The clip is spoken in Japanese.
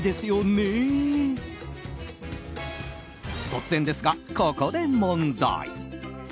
突然ですが、ここで問題。